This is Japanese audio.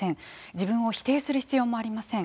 自分を否定する必要もありません。